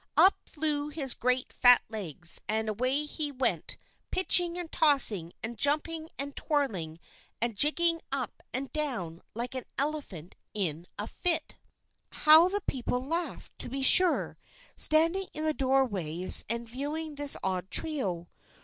Up flew his great fat legs, and away he went, pitching and tossing, and jumping and twirling, and jigging up and down like an elephant in a fit. How the people laughed, to be sure, standing in their doorways and viewing this odd trio!